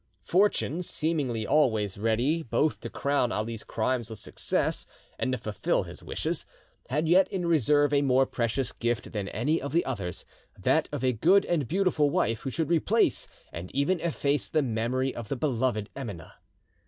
Fortune, seemingly always ready both to crown Ali's crimes with success and to fulfil his wishes, had yet in reserve a more precious gift than any of the others, that of a good and beautiful wife; who should replace, and even efface the memory of the beloved Emineh.